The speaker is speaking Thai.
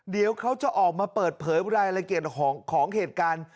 เดี๋ยวเขาจะออกมาเปิดเผยรายละเอียดของเหตุการณ์